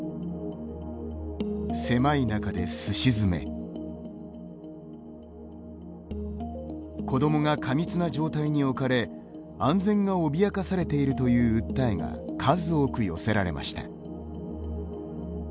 「狭いなかですしづめ」子どもが過密な状態に置かれ安全が脅かされているという訴えが数多く寄せられました。